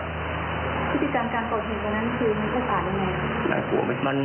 พี่ติดตามการปลอดภัยกันนั้นคือไม่ใช่ปลาดยังไง